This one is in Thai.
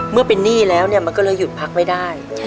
เมื่อเป็นหนี้แล้วเนี่ยมันก็เลยหยุดพักไม่ได้